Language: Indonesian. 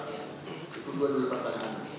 itu dua dua pertanyaan